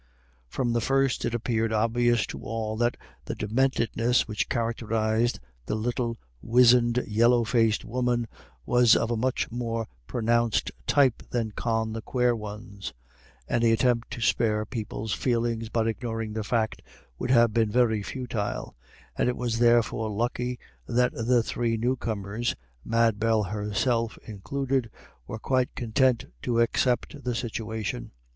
From the first it appeared obvious to all that the dementedness which characterised the little wizened yellow faced woman was of a much more pronounced type than Con the Quare One's. Any attempt to spare people's feelings by ignoring the fact would have been very futile, and it was therefore lucky that the three new comers, Mad Bell herself included, were quite content to accept the situation.